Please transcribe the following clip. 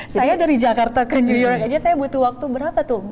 saya dari jakarta ke new york aja saya butuh waktu berapa tuh